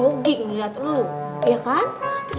abisnya laki gue masa begitu